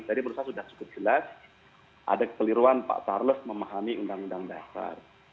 jadi menurut saya sudah cukup jelas ada kekeliruan pak charles memahami undang undang dasar